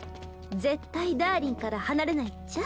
絶対ダーリンから離れないっちゃ